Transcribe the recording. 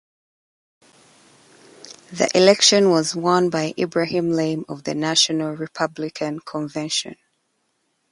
The election was won by Ibrahim Lame of the National Republican Convention.